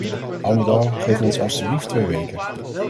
Al met al, geef ons alstublieft twee weken.